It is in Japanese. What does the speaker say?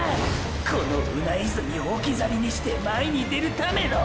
このうな泉を置き去りにして前に出るための！！